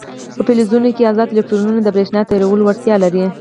په فلزونو کې ازاد الکترونونه د برېښنا تیرولو وړتیا لري.